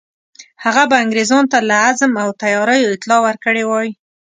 هغه به انګرېزانو ته له عزم او تیاریو اطلاع ورکړې وای.